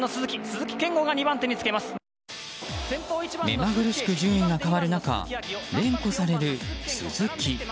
目まぐるしく順位が変わる中連呼される「鈴木」。